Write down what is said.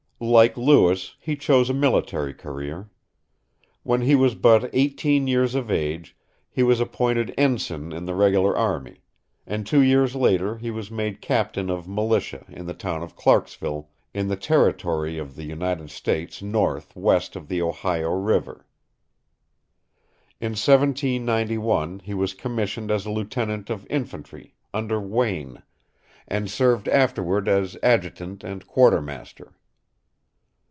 Like Lewis, he chose a military career. When he was but eighteen years of age, he was appointed ensign in the regular army; and two years later he was made captain of militia in the town of Clarksville, "in the Territory of the United States North West of the Ohio River." In 1791 he was commissioned as a lieutenant of infantry, under Wayne, and served afterward as adjutant and quartermaster.